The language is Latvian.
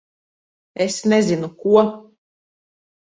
Es nezinu ko...